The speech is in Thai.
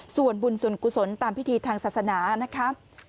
ส่วนบุญส่วนกุศลตามพิธีทางศาสนานะครับ